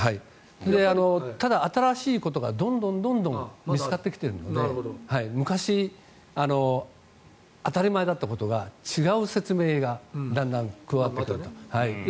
ただ、新しいことがどんどん見つかってきているので昔、当たり前だったことが違う説明がだんだん加わってきたということです。